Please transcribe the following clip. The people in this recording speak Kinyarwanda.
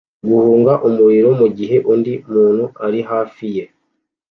guhunga umuriro mugihe undi muntu ari hafi ye